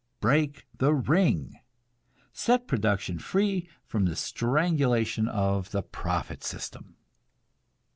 Break the ring! Set production free from the strangulation of the profit system.